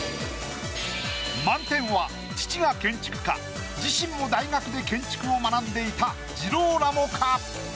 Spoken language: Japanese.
満点は父が建築家自身も大学で建築を学んでいたジローラモか？